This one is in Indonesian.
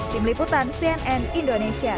tim liputan cnn indonesia